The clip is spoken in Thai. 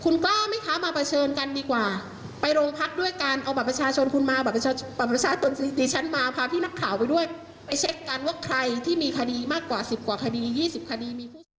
ในการว่าใครที่มีคดีมากกว่า๑๐กว่าคดี๒๐คดี